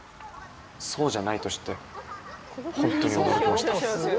そうじゃないと知って本当に驚きました。